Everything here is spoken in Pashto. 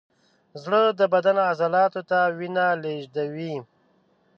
زړه د بدن عضلاتو ته وینه لیږي.